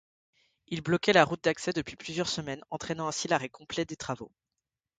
Ils bloquaient la route d’accès depuis plusieurs semaines entraînant ainsi l’arrêt complet des travaux.